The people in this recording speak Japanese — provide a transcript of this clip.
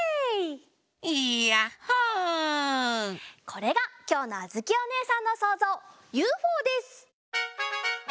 これがきょうのあづきおねえさんのそうぞう「ユーフォー」です！